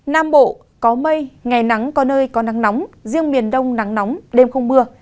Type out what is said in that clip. nam bộ có mây ngày nắng có nơi có nắng nóng riêng miền đông nắng nóng đêm không mưa